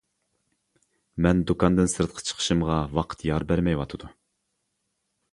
مەن دۇكاندىن سىرتقا چىقىشىمغا ۋاقىت يار بەرمەيۋاتىدۇ.